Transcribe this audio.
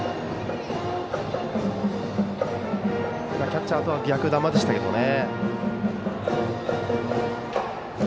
キャッチャーとは逆球でしたね。